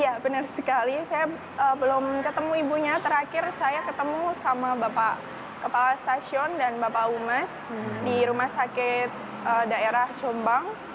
ya benar sekali saya belum ketemu ibunya terakhir saya ketemu sama bapak kepala stasiun dan bapak umes di rumah sakit daerah jombang